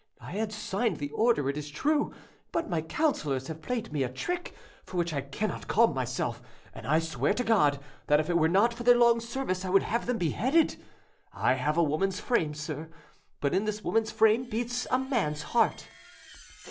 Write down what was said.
I had signed the order, it is true; but my counsellors have played me a trick for which I cannot calm myself; and I swear to God that if it were not for their long service I would have them beheaded. I have a woman's frame, sir, but in this woman's frame beats a man's heart."